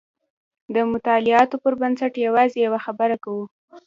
د مطالعاتو پر بنسټ یوازې یوه خبره کوو.